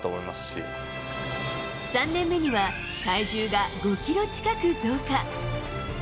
３年目には、体重が５キロ近く増加。